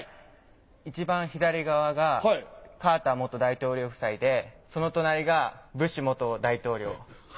いちばん左側がカーター元大統領夫妻でその隣がブッシュ元大統領。